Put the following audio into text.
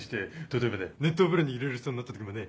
例えばね熱湯風呂に入れられそうになった時もね。